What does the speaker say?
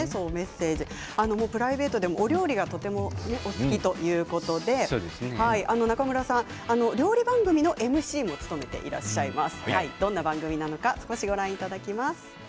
プライベートで料理がとても好きということで中村さんは料理番組のＭＣも務めていらっしゃいます。